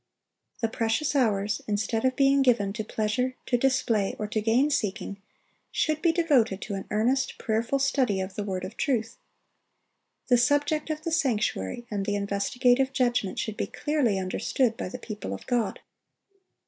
The precious hours, instead of being given to pleasure, to display, or to gain seeking, should be devoted to an earnest, prayerful study of the Word of truth. The subject of the sanctuary and the investigative judgment should be clearly understood by the people of God.